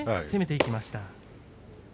攻めていきました。